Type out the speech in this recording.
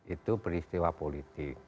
itu peristiwa politik